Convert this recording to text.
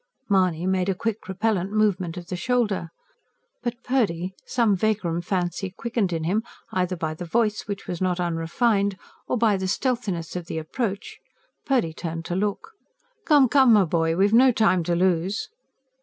Mahony made a quick, repellent movement of the shoulder. But Purdy, some vagrom fancy quickened in him, either by the voice, which was not unrefined, or by the stealthiness of the approach, Purdy turned to look. "Come, come, my boy. We've no time to lose."